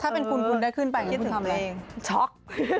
ถ้าเป็นคุณคุณได้ขึ้นไปคิดถึงช็อก